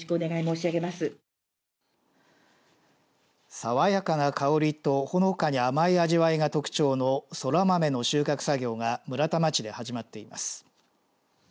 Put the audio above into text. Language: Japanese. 爽やかな香りとほのかに甘い味わいが特徴のそら豆の収穫作業が村田町で始まっています。